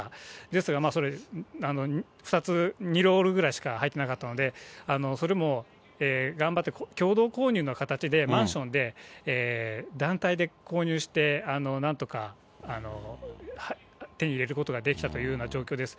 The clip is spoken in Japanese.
ですが、２ロールぐらいしか入ってなかったので、それも頑張って共同購入の形で、マンションで、団体で購入して、なんとか手に入れることができたというような状況です。